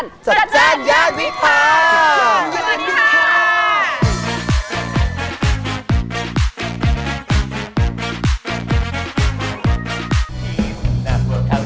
รัฐแทรนยันวิทยา